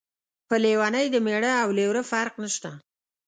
په لیونۍ د مېړه او لېوره فرق نشته.